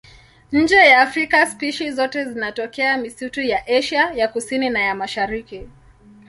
Nje ya Afrika spishi zote zinatokea misitu ya Asia ya Kusini na ya Mashariki.